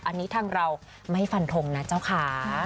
อันนี้ทางเราไม่ฟันทงนะเจ้าค่ะ